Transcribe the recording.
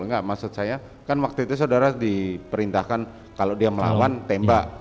enggak maksud saya kan waktu itu saudara diperintahkan kalau dia melawan tembak